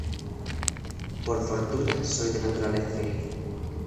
Por fortuna soy de naturaleza feliz.